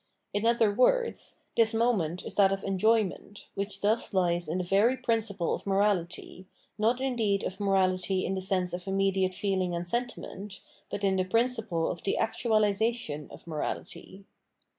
In other words, this moment is that of enjoyment, which thus lies in the very principle of morality, not indeed of morality in the sense of immediate feeling and sentiment, but in the principle of the actualisation of morality.